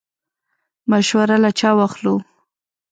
مشوره له چا واخلو؟